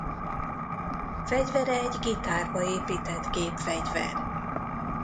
Fegyvere egy gitárba épített gépfegyver.